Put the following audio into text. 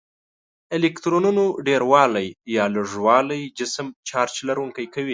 الکترونونو ډیروالی یا لږوالی جسم چارج لرونکی کوي.